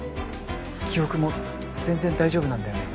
記憶も全然大丈夫なんだよね？